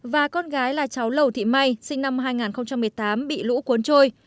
và con gái là cháu lầu thị may sinh năm hai nghìn một mươi tám bị lũ cuốn trôi